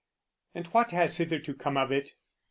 And what has hitherto come of it?